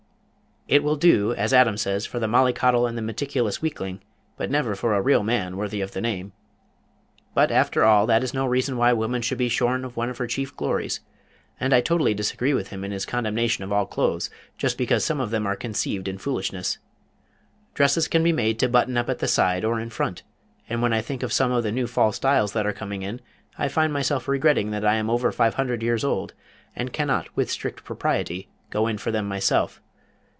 It will do, as Adam says, for the Mollycoddle and the meticulous weakling, but never for a real man worthy of the name. But after all that is no reason why woman should be shorn of one of her chief glories, and I totally disagree with him in his condemnation of all clothes just because some of them are conceived in foolishness. Dresses can be made to button up at the side, or in front, and when I think of some of the new fall styles that are coming in I find myself regretting that I am over five hundred years old, and cannot with strict propriety, go in for them myself.